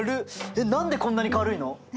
えっ何でこんなに軽いの？